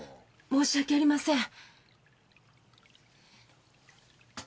申し訳ありません。